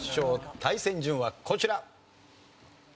対戦順はこちら。